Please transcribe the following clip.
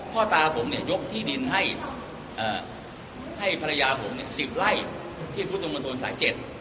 พ่อตาผมยกที่ดินให้เปลี่ยงทหารภรรยาผมสิบไล่ที่พรุธนกตัวตนสาย๗